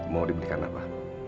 mau dibeli kan apa